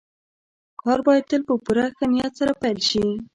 کار بايد تل په پوره ښه نيت سره پيل شي.